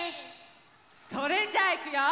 それじゃあいくよ！